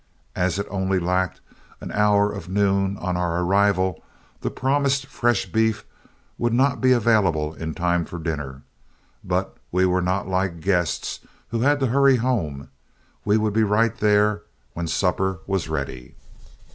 As it only lacked an hour of noon on our arrival, the promised fresh beef would not be available in time for dinner; but we were not like guests who had to hurry home we would be right there when supper was ready.